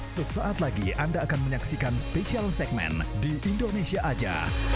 sesaat lagi anda akan menyaksikan spesial segmen di indonesia aja